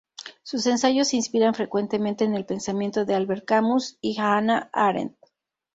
Sus ensayos se inspiran frecuentemente en el pensamiento de Albert Camus y Hannah Arendt.